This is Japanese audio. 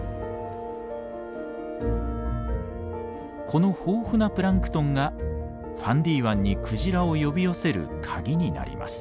この豊富なプランクトンがファンディ湾にクジラを呼び寄せる鍵になります。